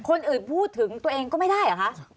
คนอื่นพูดถึงตัวเองก็ไม่ได้เหรอคะ